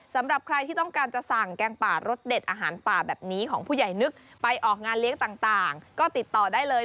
สำหรับใครที่ต้องการจะสั่งแกงป่ารสเด็ดอาหารป่าแบบนี้ของผู้ใหญ่นึกไปออกงานเลี้ยงต่างก็ติดต่อได้เลย